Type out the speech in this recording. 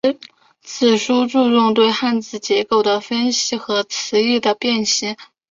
此书注重对汉字结构的分析和词义的辨析。